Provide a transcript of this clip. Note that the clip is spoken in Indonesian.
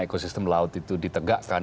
ekosistem laut itu ditegakkan